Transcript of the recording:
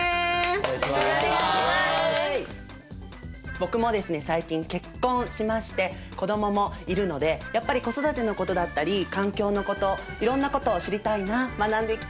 僕もですね最近結婚しまして子どももいるのでやっぱり子育てのことだったり環境のこといろんなことを知りたいな学んでいきたいなと思っておりますので